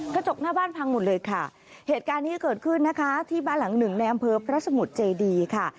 กระจกหน้าบ้านพังหมดเลยค่ะเหตุการณ์นี้เกิดขึ้นนะคะที่บ้านหลังหนึ่งในอำเภอพระสมุทรเจดีค่ะ